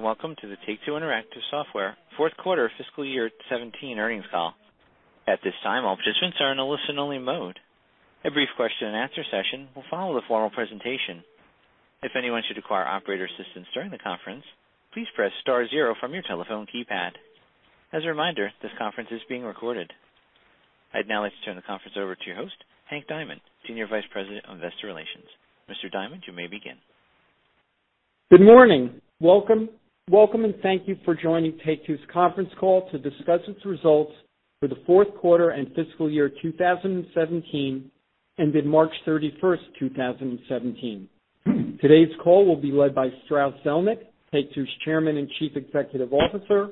Greetings, welcome to the Take-Two Interactive Software fourth quarter fiscal year 2017 earnings call. At this time, all participants are in a listen-only mode. A brief question-and-answer session will follow the formal presentation. If anyone should require operator assistance during the conference, please press star zero from your telephone keypad. As a reminder, this conference is being recorded. I'd now like to turn the conference over to your host, Hank Diamond, Senior Vice President of Investor Relations. Mr. Diamond, you may begin. Good morning. Welcome, thank you for joining Take-Two's conference call to discuss its results for the fourth quarter and fiscal year 2017, ended March 31, 2017. Today's call will be led by Strauss Zelnick, Take-Two's Chairman and Chief Executive Officer,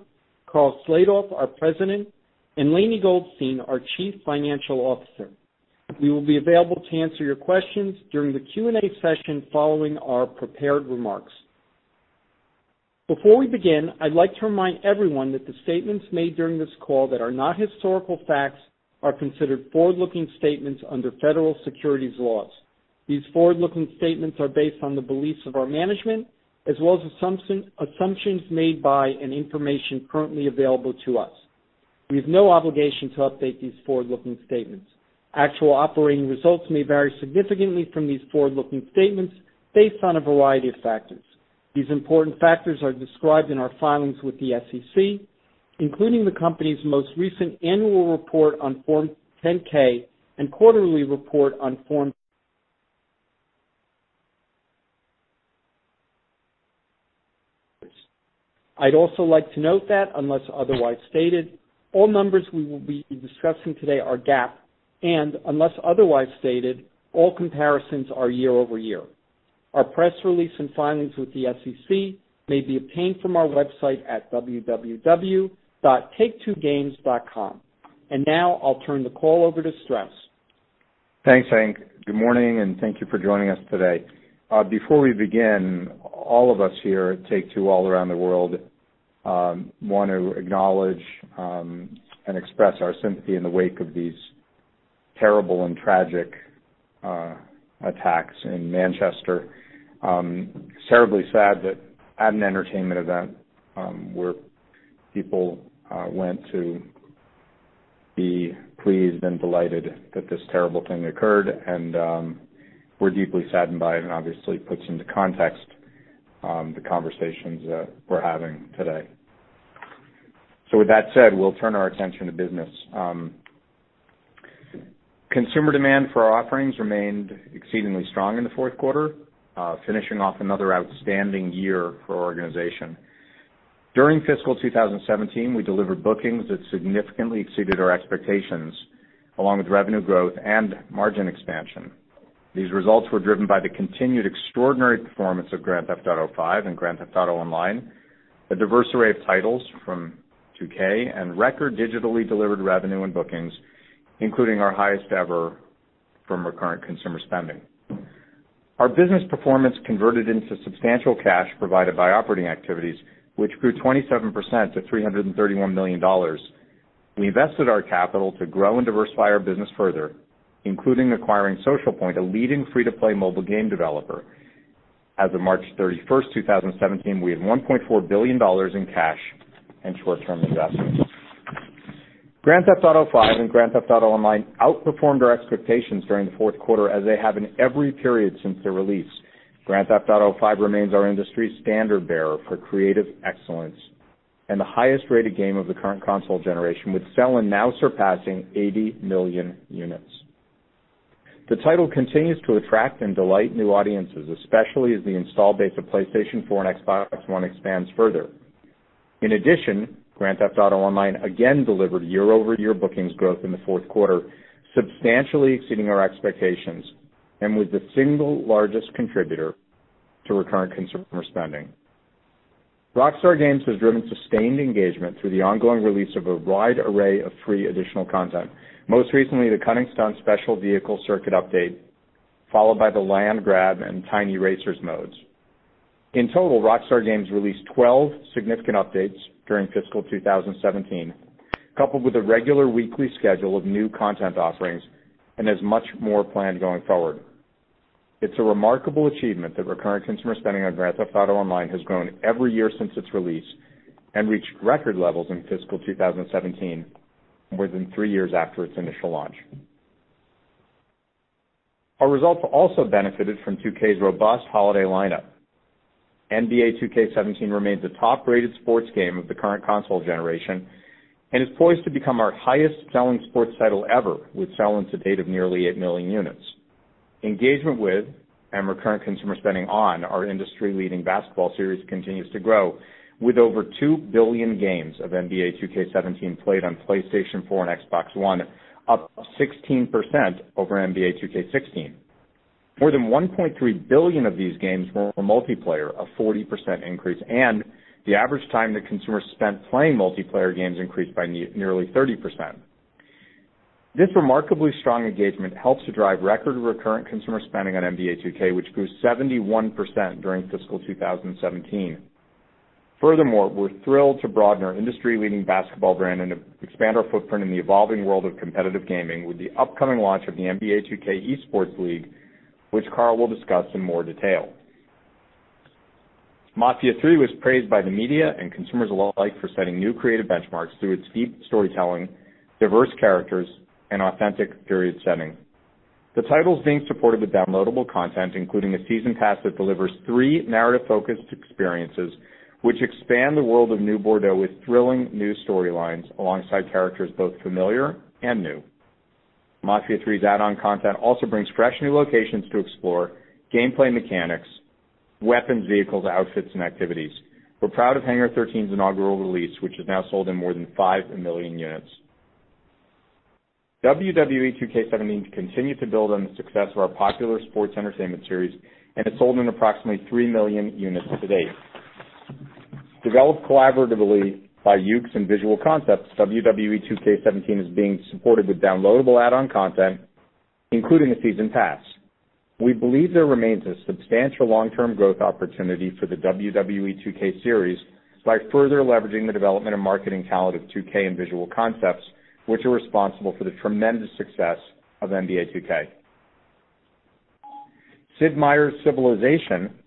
Karl Slatoff, our President, and Lainie Goldstein, our Chief Financial Officer. We will be available to answer your questions during the Q&A session following our prepared remarks. Before we begin, I'd like to remind everyone that the statements made during this call that are not historical facts are considered forward-looking statements under federal securities laws. These forward-looking statements are based on the beliefs of our management, as well as assumptions made by and information currently available to us. We have no obligation to update these forward-looking statements. Actual operating results may vary significantly from these forward-looking statements based on a variety of factors. These important factors are described in our filings with the SEC, including the company's most recent annual report on Form 10-K and quarterly report on Form. I'd also like to note that unless otherwise stated, all numbers we will be discussing today are GAAP, and unless otherwise stated, all comparisons are year-over-year. Our press release and filings with the SEC may be obtained from our website at www.taketwogames.com. Now I'll turn the call over to Strauss. Thanks, Hank. Good morning, thank you for joining us today. Before we begin, all of us here at Take-Two, all around the world, want to acknowledge, express our sympathy in the wake of these terrible and tragic attacks in Manchester. Terribly sad that at an entertainment event, where people went to be pleased and delighted that this terrible thing occurred, we're deeply saddened by it obviously puts into context the conversations that we're having today. With that said, we'll turn our attention to business. Consumer demand for our offerings remained exceedingly strong in the fourth quarter, finishing off another outstanding year for our organization. During fiscal 2017, we delivered bookings that significantly exceeded our expectations, along with revenue growth and margin expansion. These results were driven by the continued extraordinary performance of Grand Theft Auto V and Grand Theft Auto Online, a diverse array of titles from 2K, and record digitally delivered revenue and bookings, including our highest ever from recurrent consumer spending. Our business performance converted into substantial cash provided by operating activities, which grew 27% to $331 million. We invested our capital to grow and diversify our business further, including acquiring Social Point, a leading free-to-play mobile game developer. As of March 31, 2017, we had $1.4 billion in cash and short-term investments. Grand Theft Auto V and Grand Theft Auto Online outperformed our expectations during the fourth quarter, as they have in every period since their release. Grand Theft Auto V remains our industry standard-bearer for creative excellence and the highest-rated game of the current console generation, with sell-in now surpassing 80 million units. The title continues to attract and delight new audiences, especially as the install base of PlayStation 4 and Xbox One expands further. In addition, Grand Theft Auto Online again delivered year-over-year bookings growth in the fourth quarter, substantially exceeding our expectations and was the single largest contributor to recurrent consumer spending. Rockstar Games has driven sustained engagement through the ongoing release of a wide array of free additional content. Most recently, the Cunning Stunts: Special Vehicle Circuit update, followed by the Land Grab and Tiny Racers modes. In total, Rockstar Games released 12 significant updates during fiscal 2017, coupled with a regular weekly schedule of new content offerings and has much more planned going forward. It's a remarkable achievement that recurrent consumer spending on Grand Theft Auto Online has grown every year since its release and reached record levels in fiscal 2017, more than three years after its initial launch. Our results also benefited from 2K's robust holiday lineup. NBA 2K17 remains the top-rated sports game of the current console generation and is poised to become our highest-selling sports title ever, with sell-ins to date of nearly eight million units. Engagement with and recurrent consumer spending on our industry-leading basketball series continues to grow, with over two billion games of NBA 2K17 played on PlayStation 4 and Xbox One, up 16% over NBA 2K16. More than 1.3 billion of these games were multiplayer, a 40% increase, and the average time that consumers spent playing multiplayer games increased by nearly 30%. This remarkably strong engagement helps to drive record recurrent consumer spending on NBA 2K, which grew 71% during fiscal 2017. Furthermore, we're thrilled to broaden our industry-leading basketball brand and expand our footprint in the evolving world of competitive gaming with the upcoming launch of the NBA 2K League. Karl will discuss in more detail. Mafia III was praised by the media and consumers alike for setting new creative benchmarks through its deep storytelling, diverse characters, and authentic period setting. The title's being supported with downloadable content, including a season pass that delivers three narrative-focused experiences, which expand the world of New Bordeaux with thrilling new storylines alongside characters both familiar and new. Mafia III's add-on content also brings fresh new locations to explore, gameplay mechanics, weapons, vehicles, outfits, and activities. We're proud of Hangar 13's inaugural release, which has now sold in more than five million units. WWE 2K17 continued to build on the success of our popular sports entertainment series and has sold in approximately 3 million units to date. Developed collaboratively by Yuke's and Visual Concepts, WWE 2K17 is being supported with downloadable add-on content, including a season pass. We believe there remains a substantial long-term growth opportunity for the WWE 2K series by further leveraging the development and marketing talent of 2K and Visual Concepts, which are responsible for the tremendous success of NBA 2K. Sid Meier's Civilization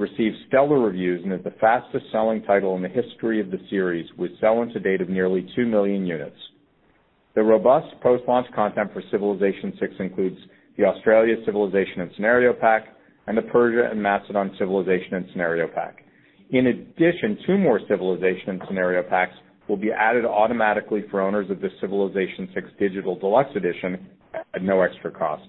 received stellar reviews and is the fastest-selling title in the history of the series, with sell-ins to date of nearly 2 million units. The robust post-launch content for Civilization VI includes the Australia Civilization and Scenario Pack and the Persia and Macedon Civilization and Scenario Pack. In addition, two more Civilization and Scenario Packs will be added automatically for owners of the Civilization VI Digital Deluxe Edition at no extra cost.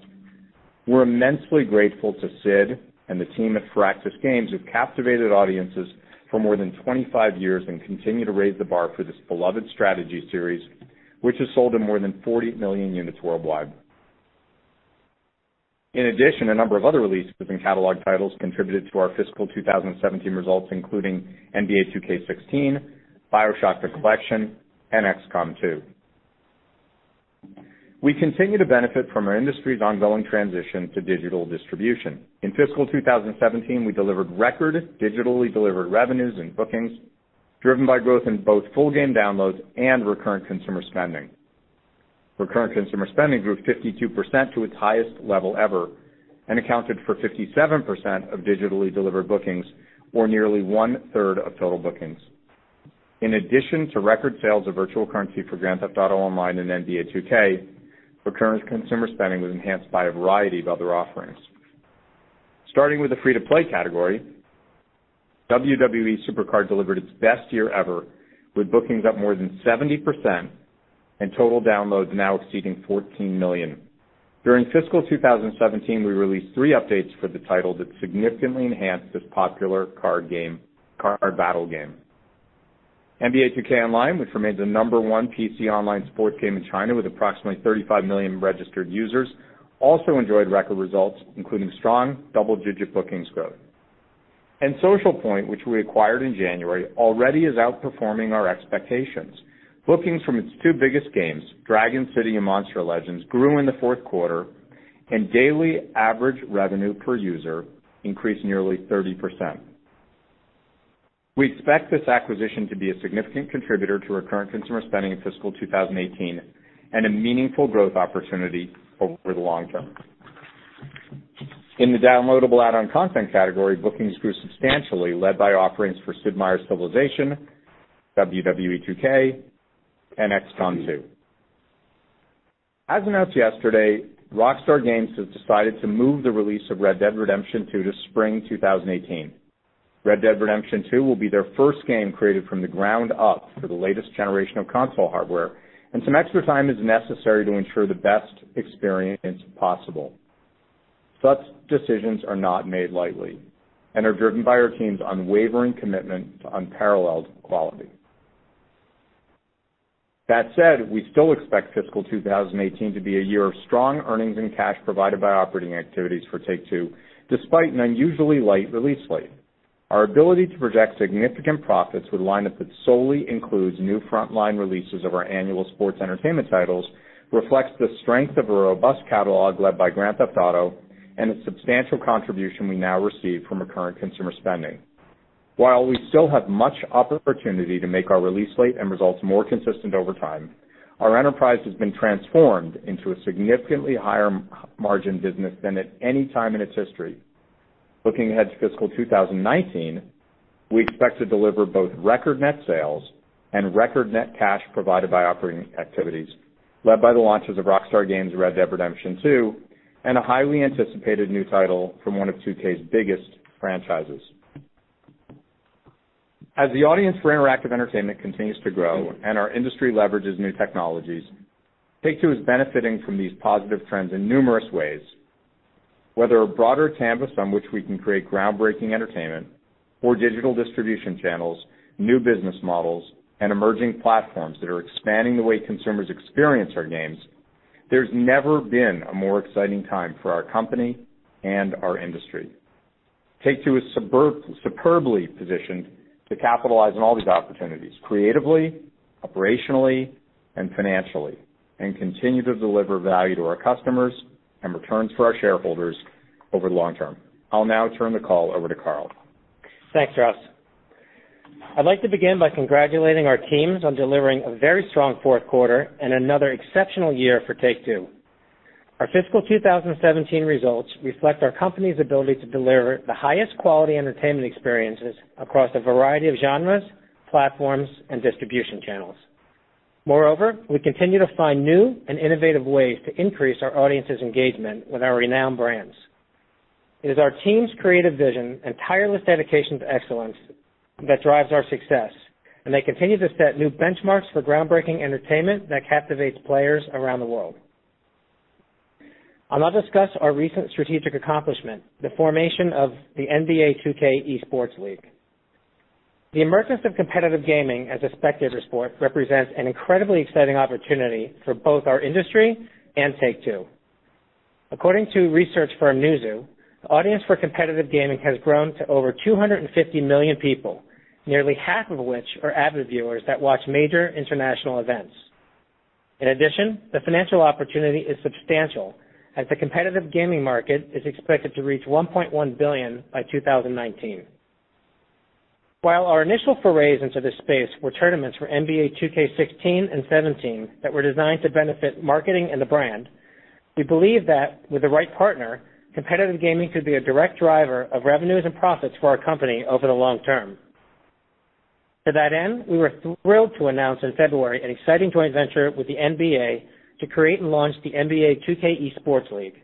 We're immensely grateful to Sid and the team at Firaxis Games, who've captivated audiences for more than 25 years and continue to raise the bar for this beloved strategy series, which has sold in more than 40 million units worldwide. In addition, a number of other releases within catalog titles contributed to our fiscal 2017 results, including NBA 2K16, BioShock: The Collection, and XCOM 2. We continue to benefit from our industry's ongoing transition to digital distribution. In fiscal 2017, we delivered record digitally delivered revenues and bookings, driven by growth in both full game downloads and recurrent consumer spending. Recurrent consumer spending grew 52% to its highest level ever and accounted for 57% of digitally delivered bookings or nearly one-third of total bookings. In addition to record sales of virtual currency for Grand Theft Auto Online and NBA 2K, recurrent consumer spending was enhanced by a variety of other offerings. Starting with the free-to-play category, WWE SuperCard delivered its best year ever, with bookings up more than 70% and total downloads now exceeding 14 million. During fiscal 2017, we released three updates for the title that significantly enhanced this popular card battle game. NBA 2K Online, which remains the number one PC online sports game in China with approximately 35 million registered users, also enjoyed record results, including strong double-digit bookings growth. Social Point, which we acquired in January, already is outperforming our expectations. Bookings from its two biggest games, Dragon City and Monster Legends, grew in the fourth quarter, and daily average revenue per user increased nearly 30%. We expect this acquisition to be a significant contributor to recurrent consumer spending in fiscal 2018 and a meaningful growth opportunity over the long term. In the downloadable add-on content category, bookings grew substantially, led by offerings for Sid Meier's Civilization, WWE 2K, and XCOM 2. As announced yesterday, Rockstar Games has decided to move the release of Red Dead Redemption 2 to spring 2018. Red Dead Redemption 2 will be their first game created from the ground up for the latest generation of console hardware, and some extra time is necessary to ensure the best experience possible. Such decisions are not made lightly and are driven by our team's unwavering commitment to unparalleled quality. That said, we still expect fiscal 2018 to be a year of strong earnings and cash provided by operating activities for Take-Two, despite an unusually light release slate. Our ability to project significant profits with a lineup that solely includes new frontline releases of our annual sports entertainment titles reflects the strength of a robust catalog led by Grand Theft Auto and its substantial contribution we now receive from recurrent consumer spending. While we still have much opportunity to make our release slate and results more consistent over time, our enterprise has been transformed into a significantly higher margin business than at any time in its history. Looking ahead to fiscal 2019, we expect to deliver both record net sales and record net cash provided by operating activities led by the launches of Rockstar Games' Red Dead Redemption 2 and a highly anticipated new title from one of 2K's biggest franchises. As the audience for interactive entertainment continues to grow and our industry leverages new technologies, Take-Two is benefiting from these positive trends in numerous ways. Whether a broader canvas on which we can create groundbreaking entertainment or digital distribution channels, new business models, and emerging platforms that are expanding the way consumers experience our games, there's never been a more exciting time for our company and our industry. Take-Two is superbly positioned to capitalize on all these opportunities creatively, operationally, and financially, and continue to deliver value to our customers and returns for our shareholders over the long term. I'll now turn the call over to Karl. Thanks, Strauss. I'd like to begin by congratulating our teams on delivering a very strong fourth quarter and another exceptional year for Take-Two. Our fiscal 2017 results reflect our company's ability to deliver the highest quality entertainment experiences across a variety of genres, platforms, and distribution channels. Moreover, we continue to find new and innovative ways to increase our audience's engagement with our renowned brands. It is our team's creative vision and tireless dedication to excellence that drives our success, and they continue to set new benchmarks for groundbreaking entertainment that captivates players around the world. I'll now discuss our recent strategic accomplishment, the formation of the NBA 2K Esports League. The emergence of competitive gaming as a spectator sport represents an incredibly exciting opportunity for both our industry and Take-Two. According to research firm Newzoo, the audience for competitive gaming has grown to over 250 million people, nearly half of which are avid viewers that watch major international events. In addition, the financial opportunity is substantial as the competitive gaming market is expected to reach $1.1 billion by 2019. While our initial forays into this space were tournaments for NBA 2K16 and NBA 2K17 that were designed to benefit marketing and the brand, we believe that with the right partner, competitive gaming could be a direct driver of revenues and profits for our company over the long term. To that end, we were thrilled to announce in February an exciting joint venture with the NBA to create and launch the NBA 2K Esports League.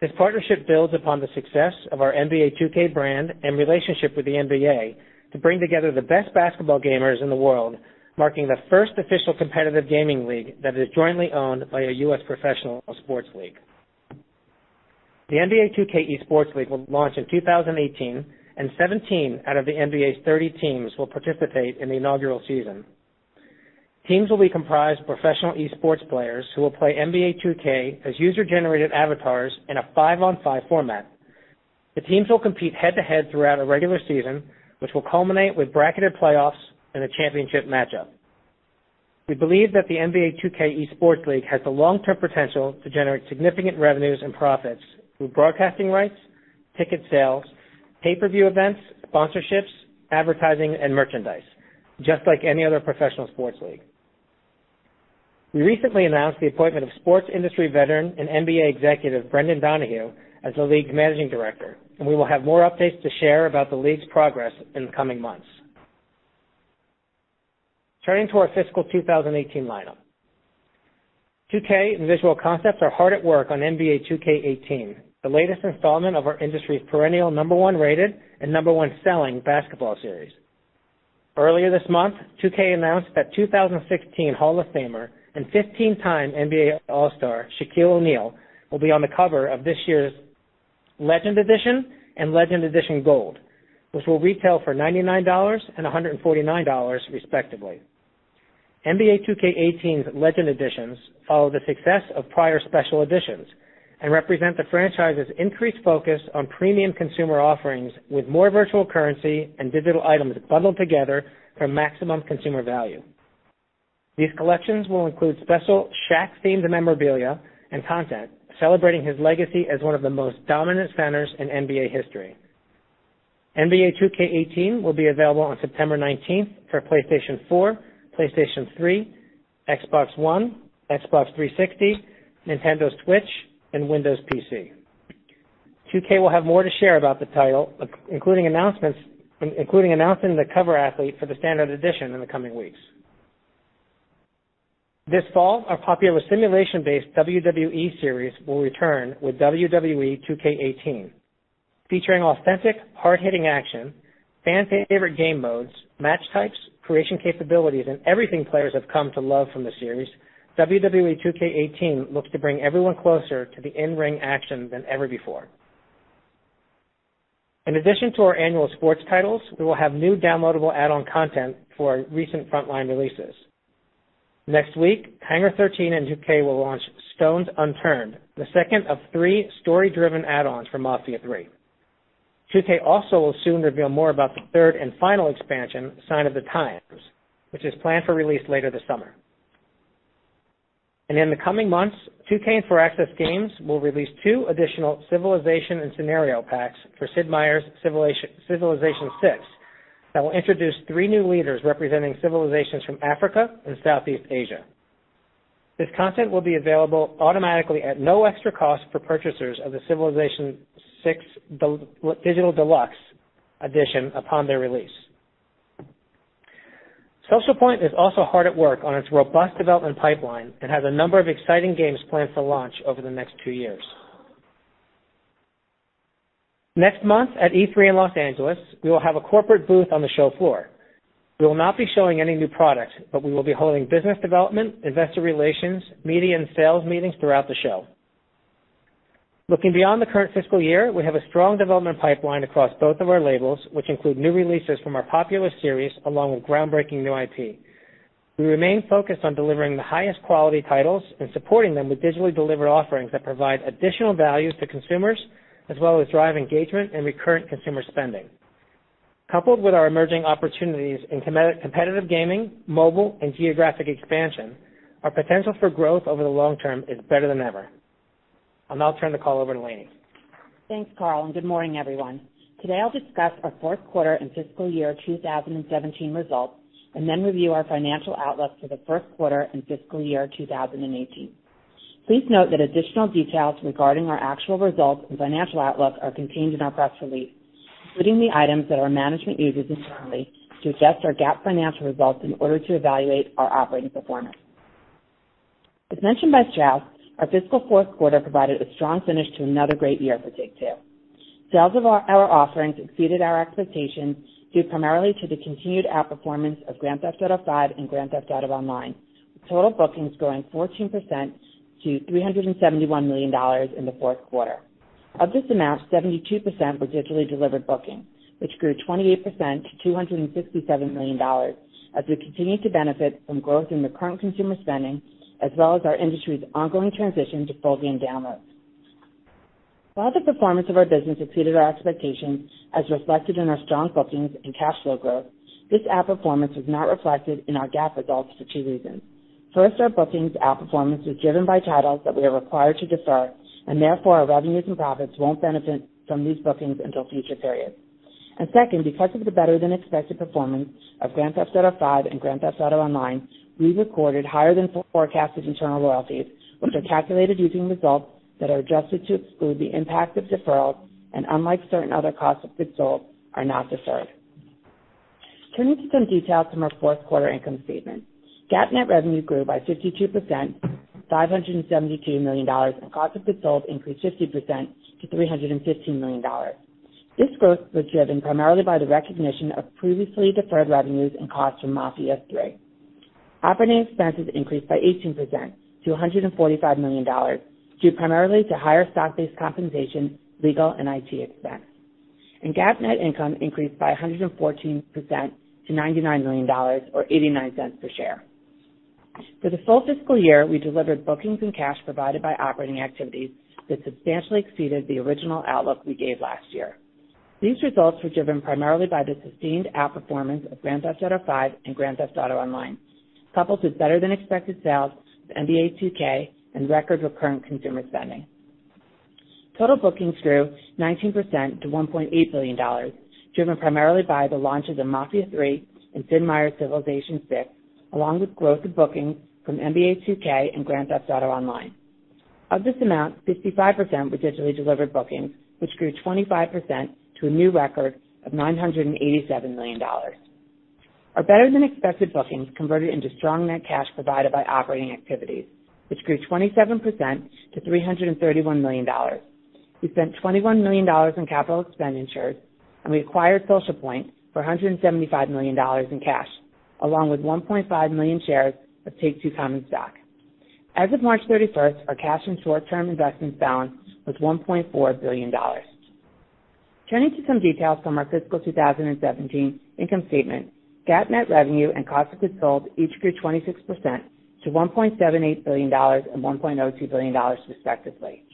This partnership builds upon the success of our NBA 2K brand and relationship with the NBA to bring together the best basketball gamers in the world, marking the first official competitive gaming league that is jointly owned by a U.S. professional sports league. The NBA 2K Esports League will launch in 2018, and 17 out of the NBA's 30 teams will participate in the inaugural season. Teams will be comprised of professional esports players who will play NBA 2K as user-generated avatars in a five-on-five format. The teams will compete head-to-head throughout a regular season, which will culminate with bracketed playoffs and a championship matchup. We believe that the NBA 2K Esports League has the long-term potential to generate significant revenues and profits through broadcasting rights, ticket sales, pay-per-view events, sponsorships, advertising, and merchandise, just like any other professional sports league. We recently announced the appointment of sports industry veteran and NBA executive Brendan Donohue as the league's managing director. We will have more updates to share about the league's progress in the coming months. Turning to our fiscal 2018 lineup. 2K and Visual Concepts are hard at work on NBA 2K18, the latest installment of our industry's perennial number one rated and number one selling basketball series. Earlier this month, 2K announced that 2016 Hall of Famer and 15-time NBA All-Star Shaquille O'Neal will be on the cover of this year's Legend Edition and Legend Edition Gold, which will retail for $99 and $149 respectively. NBA 2K18's Legend Editions follow the success of prior special editions and represent the franchise's increased focus on premium consumer offerings with more virtual currency and digital items bundled together for maximum consumer value. These collections will include special Shaq-themed memorabilia and content celebrating his legacy as one of the most dominant centers in NBA history. NBA 2K18 will be available on September 19th for PlayStation 4, PlayStation 3, Xbox One, Xbox 360, Nintendo Switch, and Windows PC. 2K will have more to share about the title, including announcing the cover athlete for the standard edition in the coming weeks. This fall, our popular simulation-based WWE series will return with WWE 2K18. Featuring authentic hard-hitting action, fan favorite game modes, match types, creation capabilities, and everything players have come to love from the series, WWE 2K18 looks to bring everyone closer to the in-ring action than ever before. In addition to our annual sports titles, we will have new downloadable add-on content for our recent frontline releases. Next week, Hangar 13 and 2K will launch Stones Unturned, the second of three story-driven add-ons for Mafia III. 2K also will soon reveal more about the third and final expansion, Sign of the Times, which is planned for release later this summer. In the coming months, 2K and Firaxis Games will release two additional civilization and scenario packs for Sid Meier's Civilization VI that will introduce three new leaders representing civilizations from Africa and Southeast Asia. This content will be available automatically at no extra cost for purchasers of the Civilization VI Digital Deluxe Edition upon their release. Social Point is also hard at work on its robust development pipeline and has a number of exciting games planned for launch over the next two years. Next month at E3 in Los Angeles, we will have a corporate booth on the show floor. We will not be showing any new product, we will be holding business development, investor relations, media, and sales meetings throughout the show. Looking beyond the current fiscal year, we have a strong development pipeline across both of our labels, which include new releases from our popular series along with groundbreaking new IP. We remain focused on delivering the highest quality titles and supporting them with digitally delivered offerings that provide additional value to consumers as well as drive engagement and recurrent consumer spending. Coupled with our emerging opportunities in competitive gaming, mobile, and geographic expansion, our potential for growth over the long term is better than ever. I'll now turn the call over to Lainie. Thanks, Karl, good morning, everyone. Today, I'll discuss our fourth quarter and fiscal year 2017 results, then review our financial outlook for the first quarter and fiscal year 2018. Please note that additional details regarding our actual results and financial outlook are contained in our press release, including the items that our management uses internally to adjust our GAAP financial results in order to evaluate our operating performance. As mentioned by Strauss, our fiscal fourth quarter provided a strong finish to another great year for Take-Two. Sales of our offerings exceeded our expectations due primarily to the continued outperformance of Grand Theft Auto V and Grand Theft Auto Online, with total bookings growing 14% to $371 million in the fourth quarter. Of this amount, 72% were digitally delivered bookings, which grew 28% to $257 million as we continued to benefit from growth in recurrent consumer spending, as well as our industry's ongoing transition to full game downloads. While the performance of our business exceeded our expectations as reflected in our strong bookings and cash flow growth, this outperformance was not reflected in our GAAP results for two reasons. First, our bookings outperformance was driven by titles that we are required to defer, therefore our revenues and profits won't benefit from these bookings until future periods. Second, because of the better-than-expected performance of Grand Theft Auto V and Grand Theft Auto Online, we recorded higher than forecasted internal royalties, which are calculated using results that are adjusted to exclude the impact of deferrals, and unlike certain other costs of goods sold, are not deferred. Turning to some details from our fourth quarter income statement. GAAP net revenue grew by 52%, $572 million, and cost of goods sold increased 50% to $315 million. This growth was driven primarily by the recognition of previously deferred revenues and costs from Mafia III. Operating expenses increased by 18% to $145 million, due primarily to higher stock-based compensation, legal, and IT expenses. GAAP net income increased by 114% to $99 million, or $0.89 per share. For the full fiscal year, we delivered bookings and cash provided by operating activities that substantially exceeded the original outlook we gave last year. These results were driven primarily by the sustained outperformance of Grand Theft Auto V and Grand Theft Auto Online, coupled with better than expected sales of NBA 2K and records of recurrent consumer spending. Total bookings grew 19% to $1.8 billion, driven primarily by the launches of Mafia III and Sid Meier's Civilization VI, along with growth in bookings from NBA 2K and Grand Theft Auto Online. Of this amount, 65% were digitally delivered bookings, which grew 25% to a new record of $987 million. Our better-than-expected bookings converted into strong net cash provided by operating activities, which grew 27% to $331 million. We spent $21 million in capital expenditures, and we acquired Social Point for $175 million in cash, along with 1.5 million shares of Take-Two common stock. As of March 31st, our cash and short-term investment balance was $1.4 billion. Turning to some details from our fiscal 2017 income statement. GAAP net revenue and cost of goods sold each grew 26% to $1.78 billion and $1.02 billion respectively,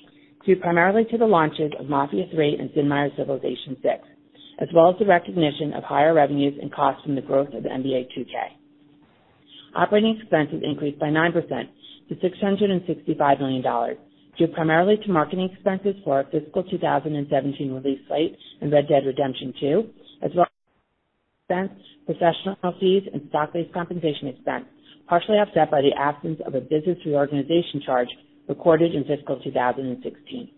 due primarily to the launches of Mafia III and Sid Meier's Civilization VI, as well as the recognition of higher revenues and costs from the growth of NBA 2K. Operating expenses increased by 9% to $665 million, due primarily to marketing expenses for our fiscal 2017 release slate and Red Dead Redemption 2, as well as professional fees and stock-based compensation expense, partially offset by the absence of a business reorganization charge recorded in fiscal 2016.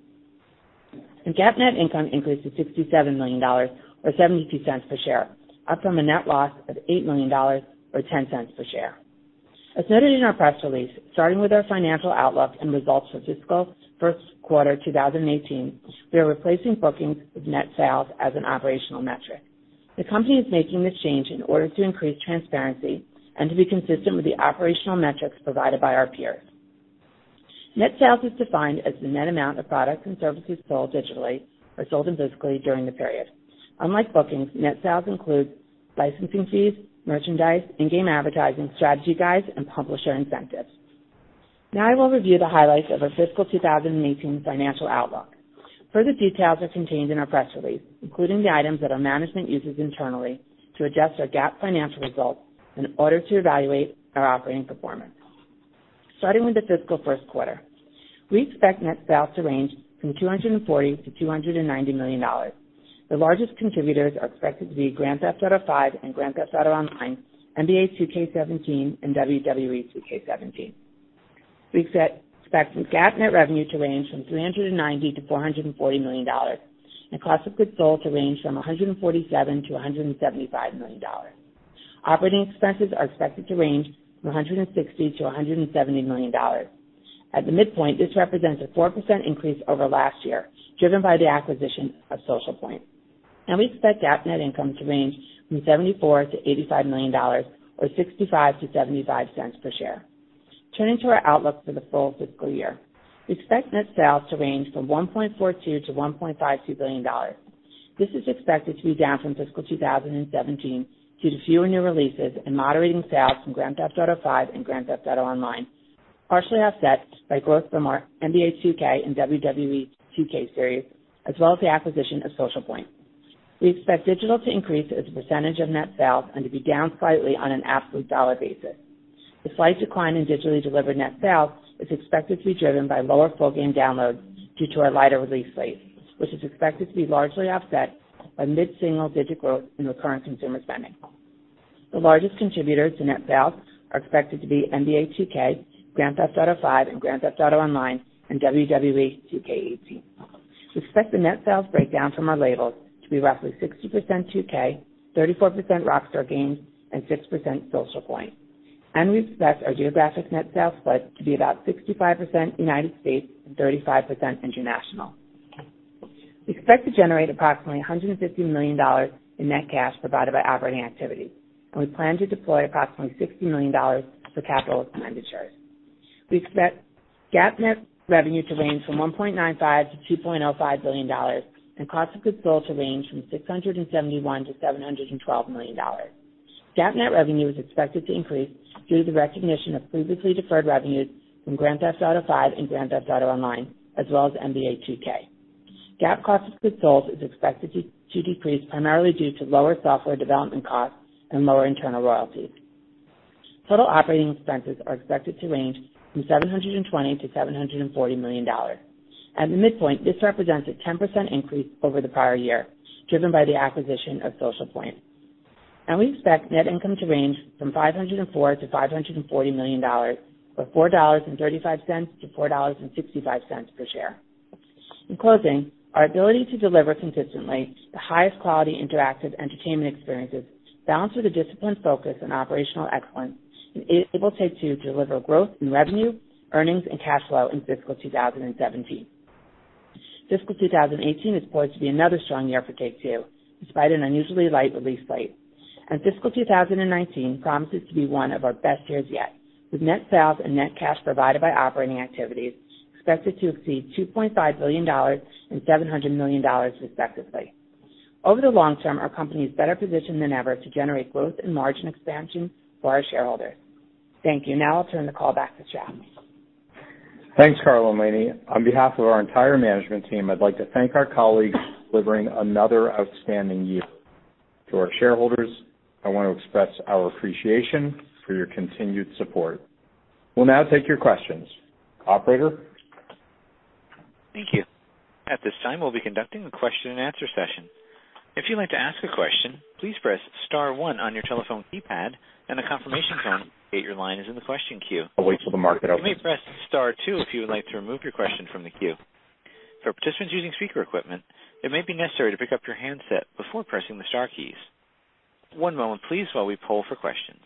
GAAP net income increased to $67 million, or $0.72 per share, up from a net loss of $8 million or $0.10 per share. As noted in our press release, starting with our financial outlook and results for fiscal first quarter 2018, we are replacing bookings with net sales as an operational metric. The company is making this change in order to increase transparency and to be consistent with the operational metrics provided by our peers. Net sales is defined as the net amount of products and services sold digitally or sold and physically during the period. Unlike bookings, net sales include licensing fees, merchandise, in-game advertising, strategy guides, and publisher incentives. Now I will review the highlights of our fiscal 2018 financial outlook. Further details are contained in our press release, including the items that our management uses internally to adjust our GAAP financial results in order to evaluate our operating performance. Starting with the fiscal first quarter. We expect net sales to range from $240 million-$290 million. The largest contributors are expected to be Grand Theft Auto V and Grand Theft Auto Online, NBA 2K17, and WWE 2K17. We expect GAAP net revenue to range from $390 million-$440 million, and cost of goods sold to range from $147 million-$175 million. Operating expenses are expected to range from $160 million-$170 million. At the midpoint, this represents a 4% increase over last year, driven by the acquisition of Social Point. We expect GAAP net income to range from $74 million-$85 million, or $0.65-$0.75 per share. Turning to our outlook for the full fiscal year. We expect net sales to range from $1.42 billion-$1.52 billion. This is expected to be down from fiscal 2017 due to fewer new releases and moderating sales from Grand Theft Auto V and Grand Theft Auto Online, partially offset by growth from our NBA 2K and WWE 2K series, as well as the acquisition of Social Point. We expect digital to increase as a percentage of net sales and to be down slightly on an absolute dollar basis. The slight decline in digitally delivered net sales is expected to be driven by lower full game downloads due to our lighter release slate, which is expected to be largely offset by mid-single digit growth in recurrent consumer spending. The largest contributors to net sales are expected to be NBA 2K, Grand Theft Auto V, Grand Theft Auto Online, and WWE 2K18. We expect the net sales breakdown from our labels to be roughly 60% 2K, 34% Rockstar Games, and 6% Social Point. We expect our geographic net sales split to be about 65% U.S. and 35% international. We expect to generate approximately $150 million in net cash provided by operating activities, and we plan to deploy approximately $60 million for capital expenditures. We expect GAAP net revenue to range from $1.95 billion-$2.05 billion and cost of goods sold to range from $671 million-$712 million. GAAP net revenue is expected to increase due to the recognition of previously deferred revenues from Grand Theft Auto V and Grand Theft Auto Online, as well as NBA 2K. GAAP cost of goods sold is expected to decrease primarily due to lower software development costs and lower internal royalties. Total operating expenses are expected to range from $720 million-$740 million. At the midpoint, this represents a 10% increase over the prior year, driven by the acquisition of Social Point. We expect net income to range from $504 million-$540 million, or $4.35-$4.65 per share. In closing, our ability to deliver consistently the highest quality interactive entertainment experiences balanced with a disciplined focus on operational excellence, enabled Take-Two to deliver growth in revenue, earnings, and cash flow in fiscal 2017. Fiscal 2018 is poised to be another strong year for Take-Two, despite an unusually light release slate. Fiscal 2019 promises to be one of our best years yet, with net sales and net cash provided by operating activities expected to exceed $2.5 billion and $700 million respectively. Over the long term, our company is better positioned than ever to generate growth and margin expansion for our shareholders. Thank you. Now I'll turn the call back to Strauss. Thanks, Karl and Lainie. On behalf of our entire management team, I'd like to thank our colleagues for delivering another outstanding year. To our shareholders, I want to express our appreciation for your continued support. We'll now take your questions. Operator? Thank you. At this time, we'll be conducting a question and answer session. If you'd like to ask a question, please press star one on your telephone keypad, and a confirmation tone to indicate your line is in the question queue. Wait till the market opens. You may press star two if you would like to remove your question from the queue. For participants using speaker equipment, it may be necessary to pick up your handset before pressing the star keys. One moment please while we poll for questions.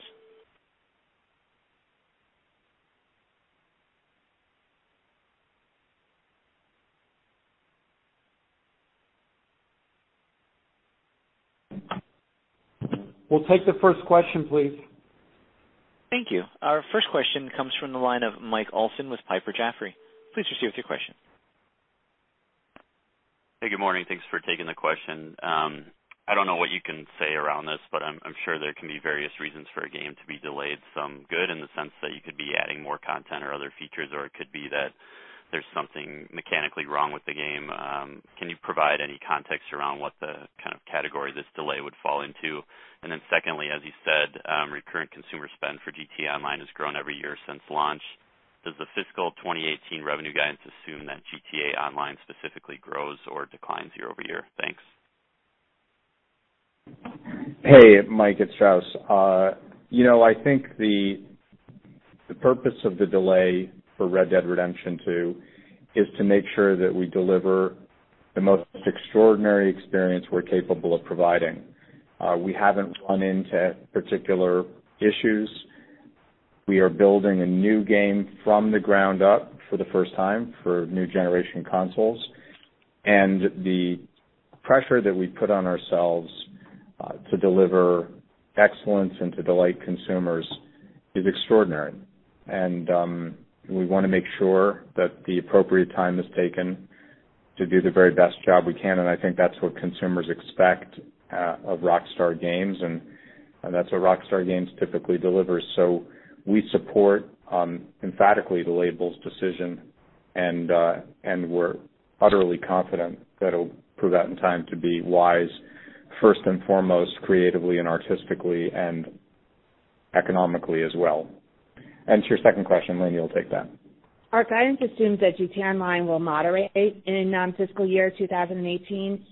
We'll take the first question, please. Thank you. Our first question comes from the line of Mike Olson with Piper Jaffray. Please proceed with your question. Hey, good morning. Thanks for taking the question. I don't know what you can say around this, but I'm sure there can be various reasons for a game to be delayed. Some good in the sense that you could be adding more content or other features, or it could be that there's something mechanically wrong with the game. Can you provide any context around what the kind of category this delay would fall into? Then secondly, as you said, recurrent consumer spend for "GTA Online" has grown every year since launch. Does the fiscal 2018 revenue guidance assume that "GTA Online" specifically grows or declines year-over-year? Thanks. Hey, Mike. It's Strauss. I think the purpose of the delay for "Red Dead Redemption 2" is to make sure that we deliver the most extraordinary experience we're capable of providing. We haven't run into particular issues. We are building a new game from the ground up for the first time for new generation consoles. The pressure that we put on ourselves to deliver excellence and to delight consumers is extraordinary, and we want to make sure that the appropriate time is taken to do the very best job we can, and I think that's what consumers expect of Rockstar Games, and that's what Rockstar Games typically delivers. We support emphatically the label's decision, and we're utterly confident that it'll prove out in time to be wise, first and foremost, creatively and artistically, and economically as well. To your second question, Lainie will take that. Our guidance assumes that GTA Online will moderate in fiscal year 2018.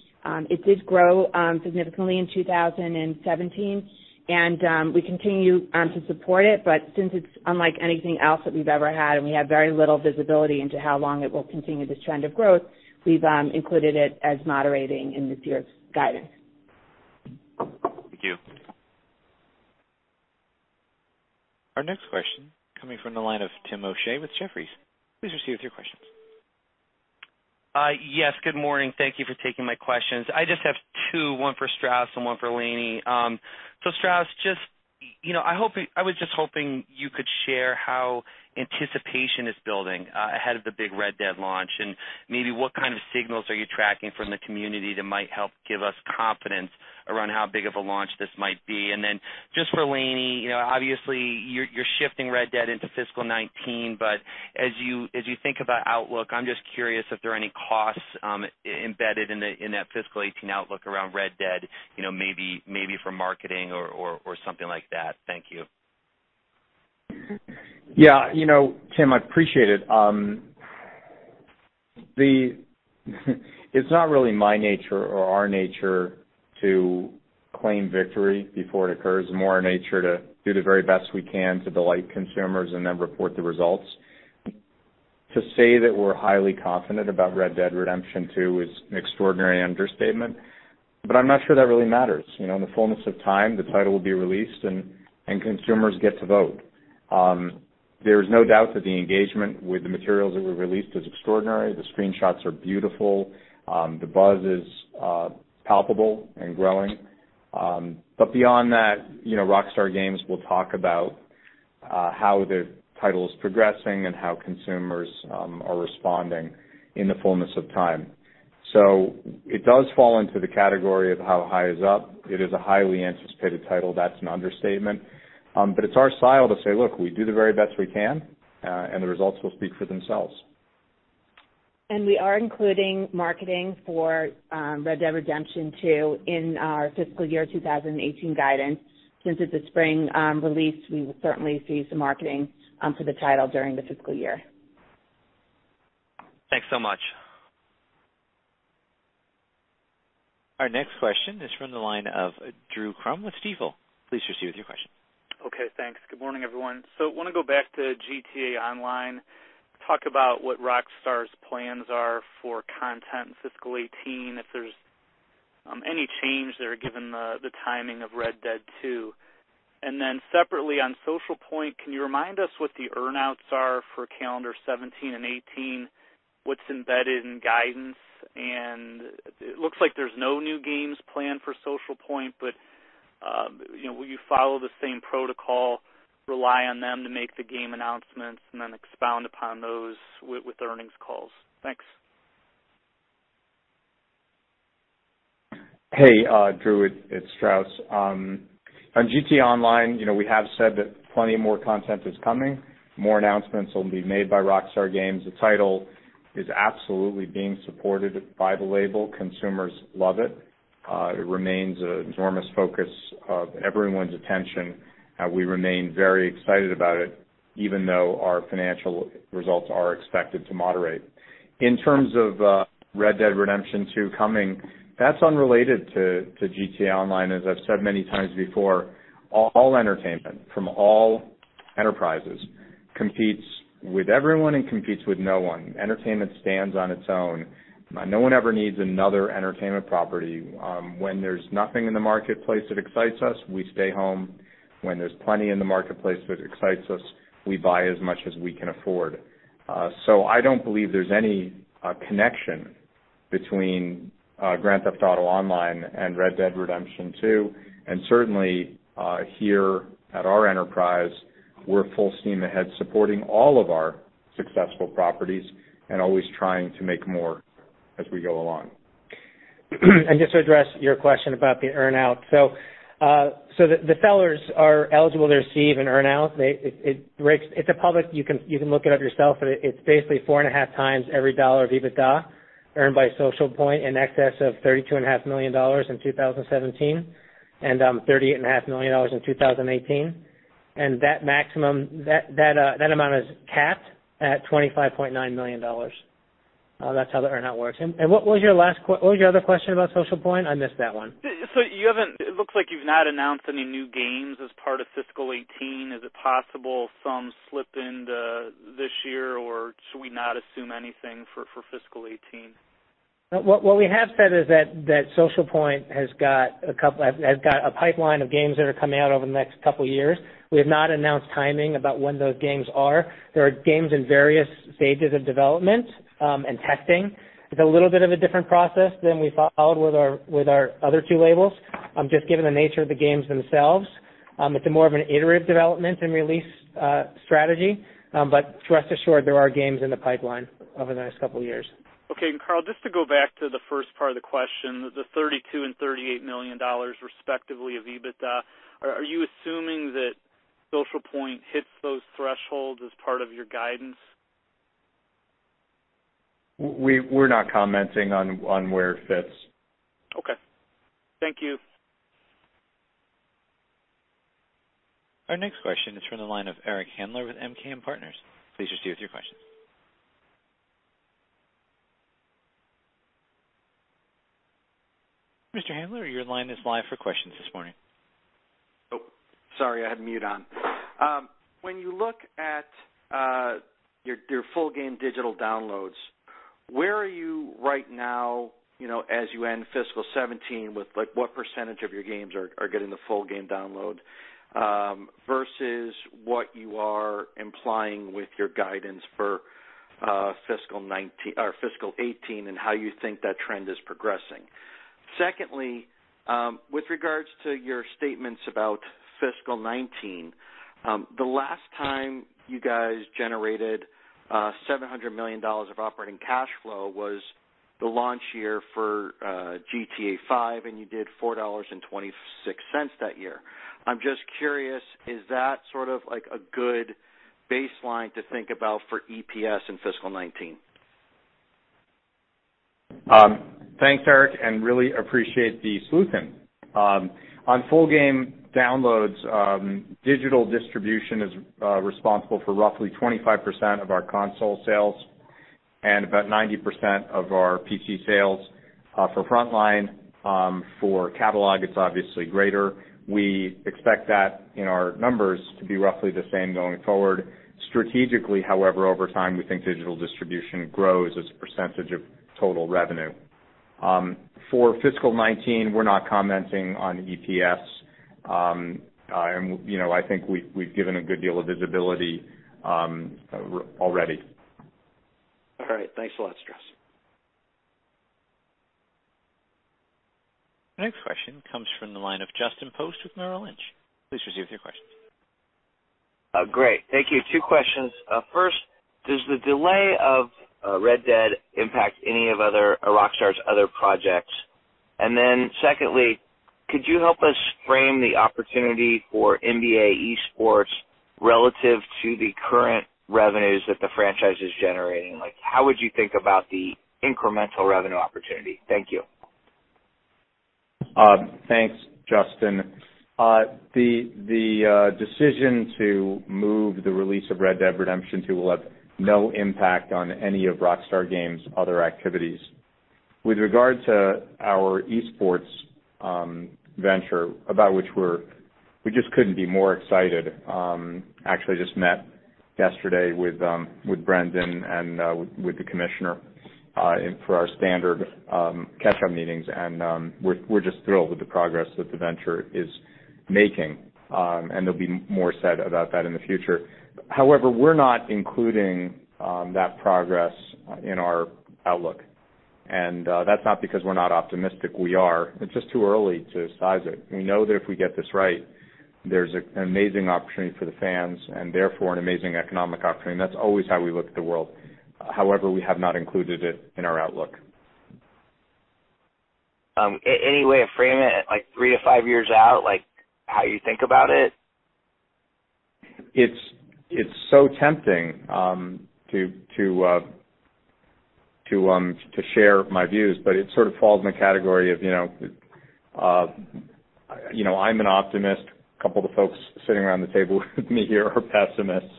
It did grow significantly in 2017, and we continue to support it. Since it's unlike anything else that we've ever had, and we have very little visibility into how long it will continue this trend of growth, we've included it as moderating in this year's guidance. Thank you. Our next question coming from the line of Tim O'Shea with Jefferies. Please proceed with your questions. Yes, good morning. Thank you for taking my questions. I just have two, one for Strauss and one for Lainie. Strauss, I was just hoping you could share how anticipation is building ahead of the big Red Dead launch, and maybe what kind of signals are you tracking from the community that might help give us confidence around how big of a launch this might be. Then just for Lainie, obviously you're shifting Red Dead into fiscal 2019, but as you think about outlook, I'm just curious if there are any costs embedded in that fiscal 2018 outlook around Red Dead, maybe for marketing or something like that. Thank you. Yeah. Tim, I appreciate it. It's not really my nature or our nature to claim victory before it occurs. More our nature to do the very best we can to delight consumers and then report the results. To say that we're highly confident about "Red Dead Redemption 2" is an extraordinary understatement, but I'm not sure that really matters. In the fullness of time, the title will be released and consumers get to vote. There's no doubt that the engagement with the materials that we released is extraordinary. The screenshots are beautiful. The buzz is palpable and growing. Beyond that, Rockstar Games will talk about how the title is progressing and how consumers are responding in the fullness of time. It does fall into the category of how high is up. It is a highly anticipated title. That's an understatement. It's our style to say, look, we do the very best we can, and the results will speak for themselves. We are including marketing for "Red Dead Redemption 2" in our fiscal year 2018 guidance. Since it's a spring release, we will certainly see some marketing for the title during the fiscal year. Thanks so much. Our next question is from the line of Drew Crum with Stifel. Please proceed with your question. Okay, thanks. Good morning, everyone. Want to go back to GTA Online, talk about what Rockstar's plans are for content in fiscal 2018, if there's any change there given the timing of "Red Dead 2." Separately on Social Point, can you remind us what the earn-outs are for calendar 2017 and 2018? What's embedded in guidance? It looks like there's no new games planned for Social Point, but will you follow the same protocol, rely on them to make the game announcements and then expound upon those with the earnings calls? Thanks. Hey, Drew, it's Strauss. On GTA Online, we have said that plenty more content is coming. More announcements will be made by Rockstar Games. The title is absolutely being supported by the label. Consumers love it. It remains an enormous focus of everyone's attention. We remain very excited about it, even though our financial results are expected to moderate. In terms of "Red Dead Redemption 2" coming, that's unrelated to GTA Online. As I've said many times before, all entertainment from all enterprises competes with everyone and competes with no one. Entertainment stands on its own. No one ever needs another entertainment property. When there's nothing in the marketplace that excites us, we stay home. When there's plenty in the marketplace that excites us, we buy as much as we can afford. I don't believe there's any connection between "Grand Theft Auto Online" and "Red Dead Redemption 2." Certainly, here at our enterprise, we're full steam ahead supporting all of our successful properties and always trying to make more as we go along. Just to address your question about the earn-out. The sellers are eligible to receive an earn-out. It's public, you can look it up yourself, but it's basically four and a half times every dollar of EBITDA earned by Social Point in excess of $32.5 million in 2017 and $38.5 million in 2018. That amount is capped at $25.9 million. That's how the earn-out works. What was your other question about Social Point? I missed that one. It looks like you've not announced any new games as part of fiscal 2018. Is it possible some slip into this year, or should we not assume anything for fiscal 2018? What we have said is that Social Point has got a pipeline of games that are coming out over the next couple of years. We have not announced timing about when those games are. There are games in various stages of development and testing. It's a little bit of a different process than we followed with our other two labels, just given the nature of the games themselves. It's a more of an iterative development and release strategy. Rest assured there are games in the pipeline over the next couple of years. Okay. Karl, just to go back to the first part of the question, the $32 million and $38 million respectively of EBITDA, are you assuming that Social Point hits those thresholds as part of your guidance? We're not commenting on where it fits. Okay. Thank you. Our next question is from the line of Eric Handler with MKM Partners. Please proceed with your question. Mr. Handler, your line is live for questions this morning. Oh, sorry, I had mute on. When you look at your full game digital downloads, where are you right now as you end fiscal 2017 with what % of your games are getting the full game download versus what you are implying with your guidance for fiscal 2018 and how you think that trend is progressing? Secondly, with regards to your statements about fiscal 2019, the last time you guys generated $700 million of operating cash flow was The launch year for GTA V, and you did $4.26 that year. I'm just curious, is that sort of like a good baseline to think about for EPS in fiscal 2019? Thanks, Eric, and really appreciate the sleuthing. On full game downloads, digital distribution is responsible for roughly 25% of our console sales and about 90% of our PC sales for Frontline. For catalog, it's obviously greater. We expect that in our numbers to be roughly the same going forward. Strategically, however, over time, we think digital distribution grows as a percentage of total revenue. For fiscal 2019, we're not commenting on EPS. I think we've given a good deal of visibility already. All right. Thanks a lot, Strauss. Next question comes from the line of Justin Post with Merrill Lynch. Please proceed with your questions. Great. Thank you. Two questions. First, does the delay of Red Dead Redemption 2 impact any of Rockstar Games' other projects? Secondly, could you help us frame the opportunity for NBA Esports relative to the current revenues that the franchise is generating? Like, how would you think about the incremental revenue opportunity? Thank you. Thanks, Justin. The decision to move the release of Red Dead Redemption 2 will have no impact on any of Rockstar Games' other activities. With regard to our esports venture, about which we just couldn't be more excited. Actually just met yesterday with Brendan and with the commissioner for our standard catch-up meetings, we're just thrilled with the progress that the venture is making. There'll be more said about that in the future. However, we're not including that progress in our outlook. That's not because we're not optimistic, we are. It's just too early to size it. We know that if we get this right, there's an amazing opportunity for the fans and therefore an amazing economic opportunity. That's always how we look at the world. However, we have not included it in our outlook. Any way of framing it, like three to five years out, like how you think about it? It's so tempting to share my views, but it sort of falls in the category of, I'm an optimist, a couple of the folks sitting around the table with me here are pessimists.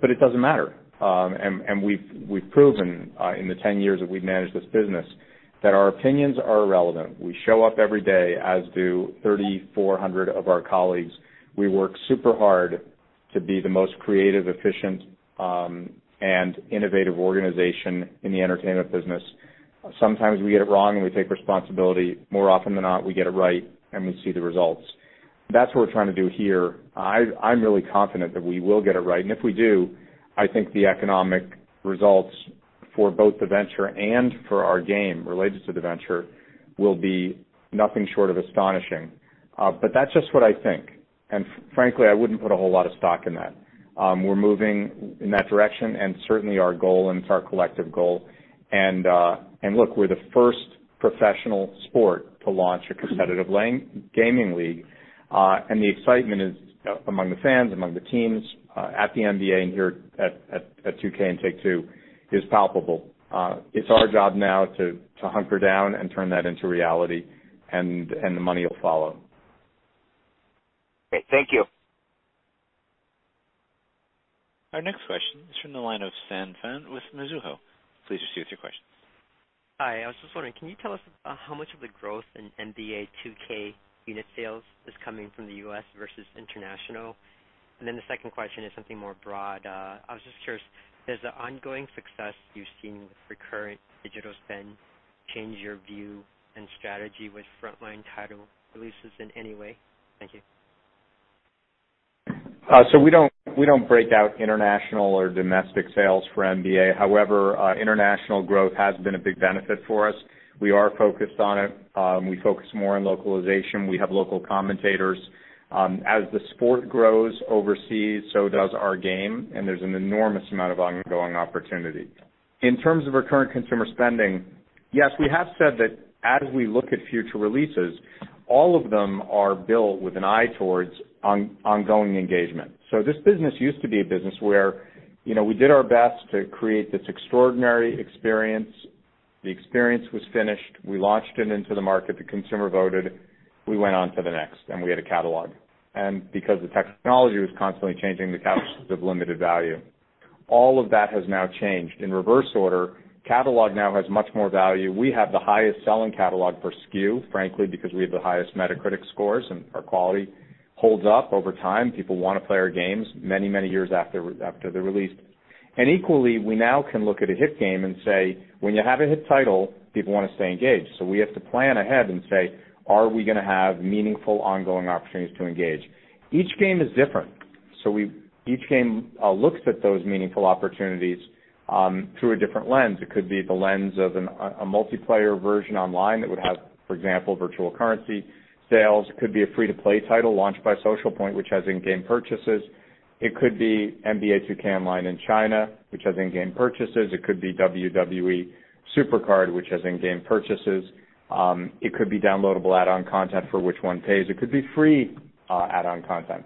It doesn't matter. We've proven in the 10 years that we've managed this business that our opinions are irrelevant. We show up every day, as do 3,400 of our colleagues. We work super hard to be the most creative, efficient, and innovative organization in the entertainment business. Sometimes we get it wrong and we take responsibility. More often than not, we get it right and we see the results. That's what we're trying to do here. I'm really confident that we will get it right, and if we do, I think the economic results for both the venture and for our game related to the venture will be nothing short of astonishing. That's just what I think, and frankly, I wouldn't put a whole lot of stock in that. We're moving in that direction, and certainly our goal, and it's our collective goal. Look, we're the first professional sport to launch a competitive gaming league. The excitement among the fans, among the teams, at the NBA, and here at 2K and Take-Two is palpable. It's our job now to hunker down and turn that into reality, and the money will follow. Great. Thank you. Our next question is from the line of San Phan with Mizuho. Please proceed with your questions. Hi. I was just wondering, can you tell us how much of the growth in NBA 2K unit sales is coming from the U.S. versus international? The second question is something more broad. I was just curious, does the ongoing success you've seen with recurrent digital spend change your view and strategy with frontline title releases in any way? Thank you. We don't break out international or domestic sales for NBA. However, international growth has been a big benefit for us. We are focused on it. We focus more on localization. We have local commentators. As the sport grows overseas, so does our game, and there's an enormous amount of ongoing opportunity. In terms of recurrent consumer spending, yes, we have said that as we look at future releases, all of them are built with an eye towards ongoing engagement. This business used to be a business where we did our best to create this extraordinary experience. The experience was finished, we launched it into the market, the consumer voted, we went on to the next, we had a catalog. Because the technology was constantly changing, the catalogs have limited value. All of that has now changed. In reverse order, catalog now has much more value. We have the highest selling catalog per SKU, frankly, because we have the highest Metacritic scores, our quality holds up over time. People want to play our games many years after they're released. Equally, we now can look at a hit game and say, when you have a hit title, people want to stay engaged. We have to plan ahead and say, are we going to have meaningful ongoing opportunities to engage? Each game is different. Each game looks at those meaningful opportunities through a different lens. It could be the lens of a multiplayer version online that would have, for example, virtual currency sales. It could be a free-to-play title launched by Social Point, which has in-game purchases. It could be NBA 2K Online in China, which has in-game purchases. It could be WWE SuperCard, which has in-game purchases. It could be downloadable add-on content for which one pays. It could be free add-on content.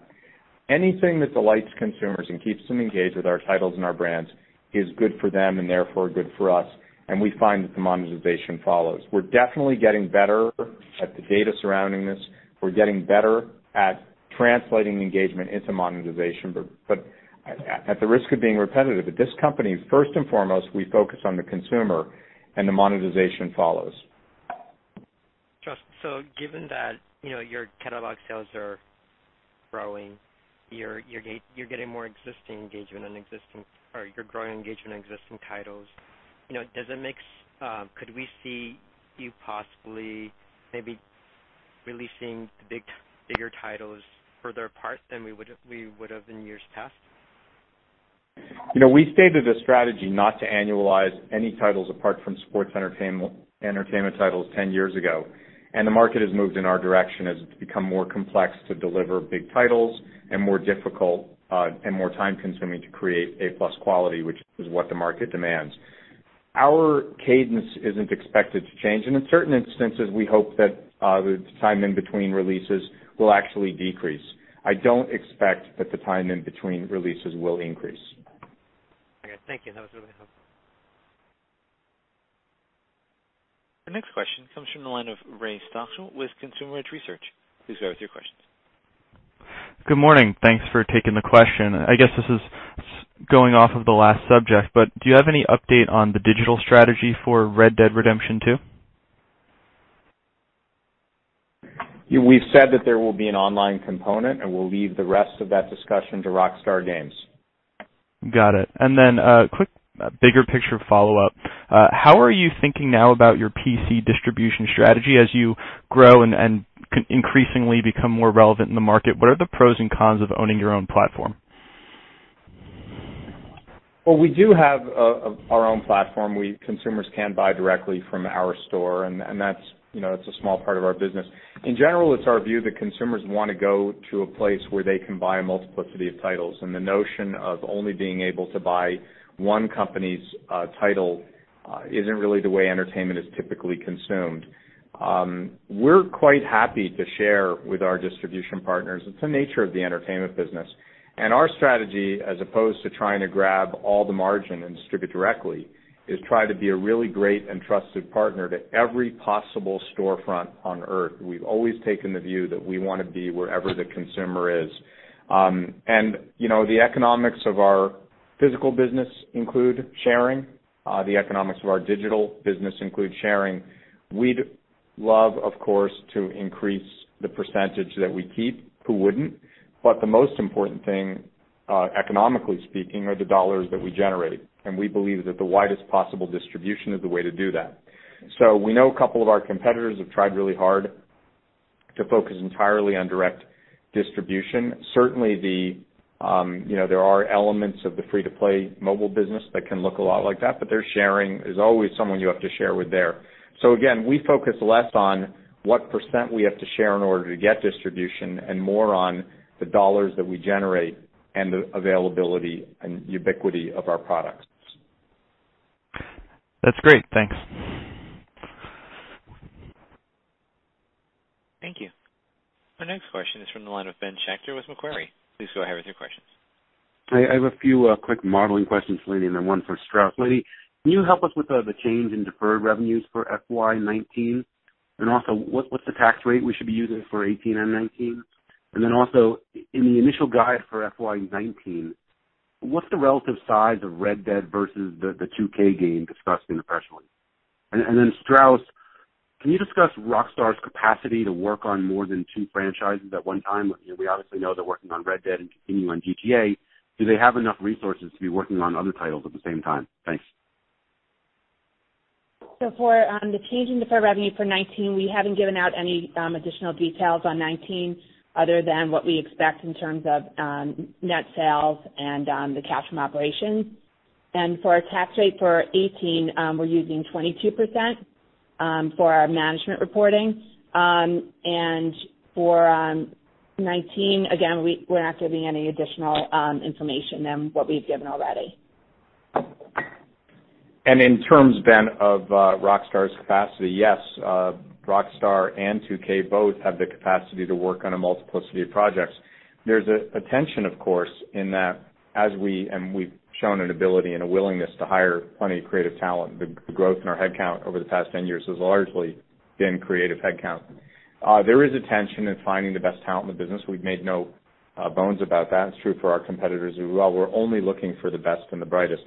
Anything that delights consumers and keeps them engaged with our titles and our brands is good for them and therefore good for us, we find that the monetization follows. We're definitely getting better at the data surrounding this. We're getting better at translating engagement into monetization. At the risk of being repetitive, at this company, first and foremost, we focus on the consumer the monetization follows. Justin, given that your catalog sales are growing, you're getting more existing engagement or you're growing engagement in existing titles. Could we see you possibly maybe releasing bigger titles further apart than we would have in years past? We stated the strategy not to annualize any titles apart from sports entertainment titles 10 years ago, and the market has moved in our direction as it's become more complex to deliver big titles and more difficult and more time-consuming to create A+ quality, which is what the market demands. Our cadence isn't expected to change, and in certain instances, we hope that the time in between releases will actually decrease. I don't expect that the time in between releases will increase. Okay, thank you. That was really helpful. The next question comes from the line of Ray Stochel with Consumer Edge Research. Please go with your questions. Good morning. Thanks for taking the question. I guess this is going off of the last subject. Do you have any update on the digital strategy for Red Dead Redemption 2? We've said that there will be an online component. We'll leave the rest of that discussion to Rockstar Games. Got it. A quick, bigger picture follow-up. How are you thinking now about your PC distribution strategy as you grow and increasingly become more relevant in the market? What are the pros and cons of owning your own platform? Well, we do have our own platform. Consumers can buy directly from our store. That's a small part of our business. In general, it's our view that consumers want to go to a place where they can buy a multiplicity of titles. The notion of only being able to buy one company's title isn't really the way entertainment is typically consumed. We're quite happy to share with our distribution partners. It's the nature of the entertainment business. Our strategy, as opposed to trying to grab all the margin and distribute directly, is try to be a really great and trusted partner to every possible storefront on Earth. We've always taken the view that we want to be wherever the consumer is. The economics of our physical business include sharing. The economics of our digital business include sharing. We'd love, of course, to increase the % that we keep. Who wouldn't? The most important thing, economically speaking, are the dollars that we generate. We believe that the widest possible distribution is the way to do that. We know a couple of our competitors have tried really hard to focus entirely on direct distribution. Certainly, there are elements of the free-to-play mobile business that can look a lot like that. There's always someone you have to share with there. Again, we focus less on what % we have to share in order to get distribution and more on the dollars that we generate and the availability and ubiquity of our products. That's great. Thanks. Thank you. Our next question is from the line of Ben Schachter with Macquarie. Please go ahead with your questions. I have a few quick modeling questions for Lainie, then one for Strauss. Lainie, can you help us with the change in deferred revenues for FY 2019? Also, what's the tax rate we should be using for 2018 and 2019? In the initial guide for FY 2019, what's the relative size of Red Dead versus the 2K game discussed in the press release? Strauss, can you discuss Rockstar's capacity to work on more than two franchises at one time? We obviously know they're working on Red Dead and continuing on GTA. Do they have enough resources to be working on other titles at the same time? Thanks. For the change in deferred revenue for 2019, we haven't given out any additional details on 2019 other than what we expect in terms of net sales and the cash from operations. For our tax rate for 2018, we're using 22% for our management reporting. For 2019, again, we're not giving any additional information than what we've given already. In terms, Ben, of Rockstar's capacity, yes, Rockstar and 2K both have the capacity to work on a multiplicity of projects. There's a tension, of course, in that we've shown an ability and a willingness to hire plenty of creative talent. The growth in our head count over the past 10 years has largely been creative head count. There is a tension in finding the best talent in the business. We've made no bones about that. It's true for our competitors as well. We're only looking for the best and the brightest.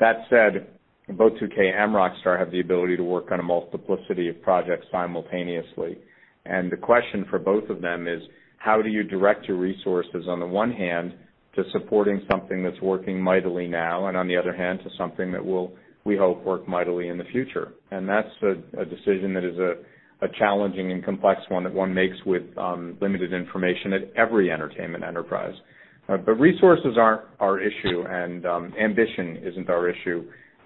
That said, both 2K and Rockstar have the ability to work on a multiplicity of projects simultaneously. The question for both of them is, how do you direct your resources, on the one hand, to supporting something that's working mightily now, and on the other hand, to something that will, we hope, work mightily in the future? That's a decision that is a challenging and complex one that one makes with limited information at every entertainment enterprise. Resources aren't our issue, and ambition isn't our issue.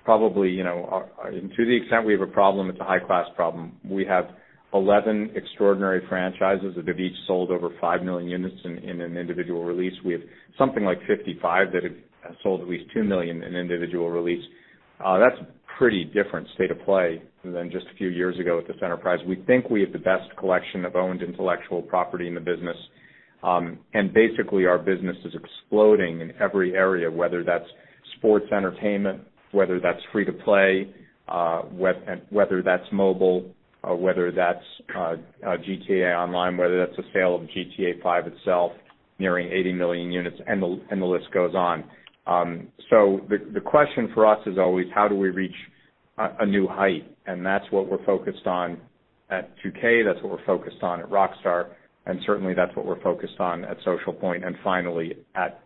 Probably, to the extent we have a problem, it's a high-class problem. We have 11 extraordinary franchises that have each sold over five million units in an individual release. We have something like 55 that have sold at least two million in individual release. That's pretty different state of play than just a few years ago with this enterprise. We think we have the best collection of owned intellectual property in the business, basically our business is exploding in every area, whether that's Sports entertainment, whether that's free-to-play, whether that's mobile, or whether that's GTA Online, whether that's the sale of GTA V itself, nearing 80 million units, the list goes on. The question for us is always how do we reach a new height? That's what we're focused on at 2K, that's what we're focused on at Rockstar, certainly, that's what we're focused on at Social Point, and finally, at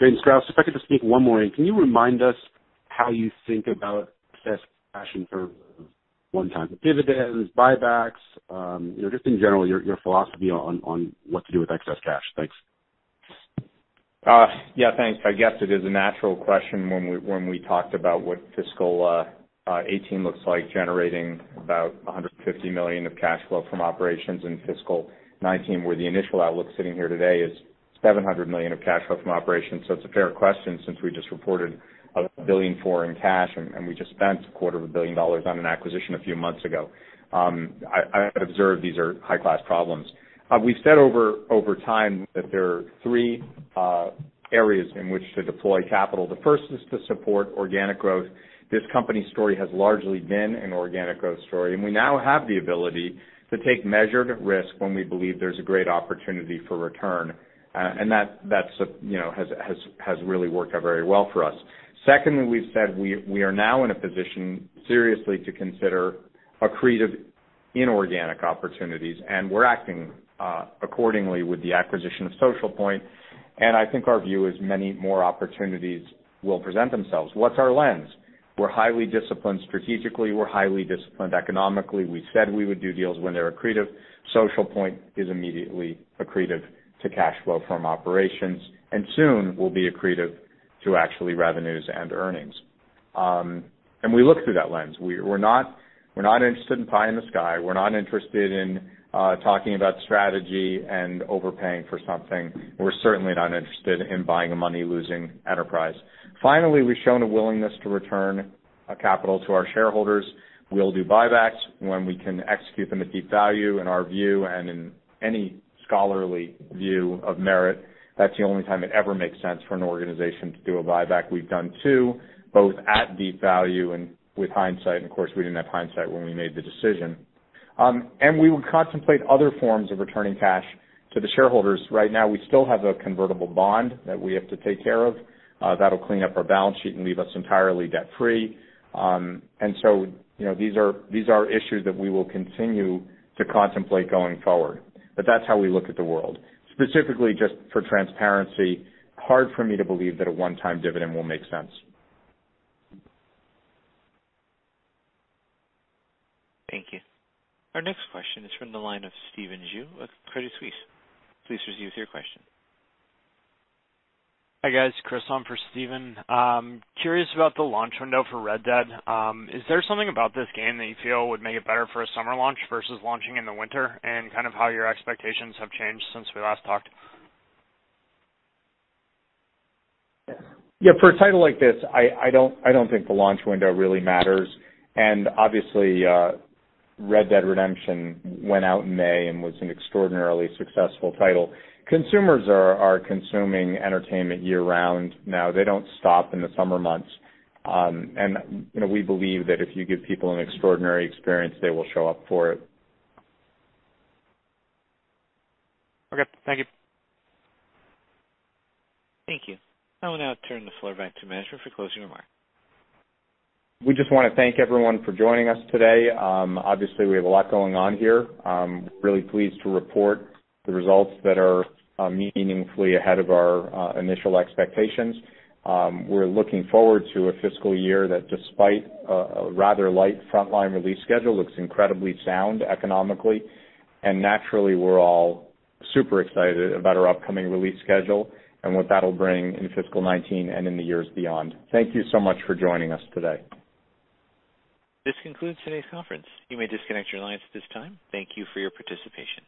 Take-Two. Strauss, if I could just sneak one more in. Can you remind us how you think about excess cash in terms of one-time dividends, buybacks, just in general, your philosophy on what to do with excess cash? Thanks. Yeah, thanks. I guess it is a natural question when we talked about what fiscal 2018 looks like generating about $150 million of cash flow from operations in fiscal 2019, where the initial outlook sitting here today is $700 million of cash flow from operations. It's a fair question since we just reported $1.4 billion in cash, and we just spent a quarter of a billion dollars on an acquisition a few months ago. I observe these are high-class problems. We've said over time that there are three areas in which to deploy capital. The first is to support organic growth. This company's story has largely been an organic growth story, and we now have the ability to take measured risk when we believe there's a great opportunity for return. That has really worked out very well for us. Secondly, we've said we are now in a position seriously to consider accretive inorganic opportunities, and we're acting accordingly with the acquisition of Social Point. I think our view is many more opportunities will present themselves. What's our lens? We're highly disciplined strategically. We're highly disciplined economically. We said we would do deals when they're accretive. Social Point is immediately accretive to cash flow from operations and soon will be accretive to actually revenues and earnings. We look through that lens. We're not interested in pie in the sky. We're not interested in talking about strategy and overpaying for something. We're certainly not interested in buying a money-losing enterprise. Finally, we've shown a willingness to return capital to our shareholders. We'll do buybacks when we can execute them at deep value in our view and in any scholarly view of merit. That's the only time it ever makes sense for an organization to do a buyback. We've done two, both at deep value and with hindsight, and of course, we didn't have hindsight when we made the decision. We will contemplate other forms of returning cash to the shareholders. Right now, we still have a convertible bond that we have to take care of. That'll clean up our balance sheet and leave us entirely debt-free. These are issues that we will continue to contemplate going forward. That's how we look at the world. Specifically, just for transparency, hard for me to believe that a one-time dividend will make sense. Thank you. Our next question is from the line of Stephen Ju of Credit Suisse. Please proceed with your question. Hi, guys. Chris on for Stephen. Curious about the launch window for Red Dead. Is there something about this game that you feel would make it better for a summer launch versus launching in the winter and kind of how your expectations have changed since we last talked? Yeah, for a title like this, I don't think the launch window really matters. Obviously, Red Dead Redemption went out in May and was an extraordinarily successful title. Consumers are consuming entertainment year-round now. They don't stop in the summer months. We believe that if you give people an extraordinary experience, they will show up for it. Okay. Thank you. Thank you. I will now turn the floor back to management for closing remarks. We just want to thank everyone for joining us today. Obviously, we have a lot going on here. Really pleased to report the results that are meaningfully ahead of our initial expectations. We're looking forward to a fiscal year that despite a rather light frontline release schedule, looks incredibly sound economically. Naturally, we're all super excited about our upcoming release schedule and what that'll bring in fiscal 2019 and in the years beyond. Thank you so much for joining us today. This concludes today's conference. You may disconnect your lines at this time. Thank you for your participation.